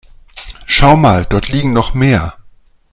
Schau mal, dort liegen noch mehr.